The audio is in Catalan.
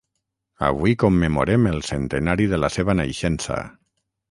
Avui commemorem el centenari de la seva naixença.